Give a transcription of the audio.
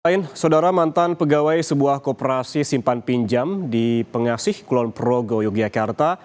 ain saudara mantan pegawai sebuah kooperasi simpan pinjam di pengasih kulon progo yogyakarta